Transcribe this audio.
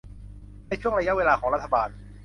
ในช่วงระยะเวลาของรัฐบาล